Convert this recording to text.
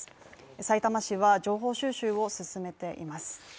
さいたま市は情報収集を進めています。